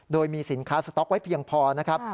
โดยมีสินค้าสต๊อกไว้เพียงพอนะครับ